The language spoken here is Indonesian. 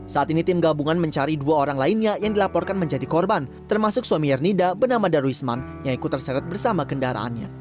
saat ini tim gabungan mencari dua orang lainnya yang dilaporkan menjadi korban termasuk suami yernida bernama darwisman yang ikut terseret bersama kendaraannya